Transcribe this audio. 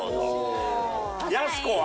やす子は？